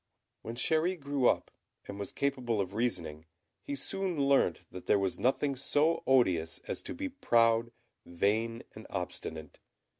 When Chéri grew up, and was capable of reasoning, he soon learnt that there was nothing so odious as to be proud, vain, and obstinate.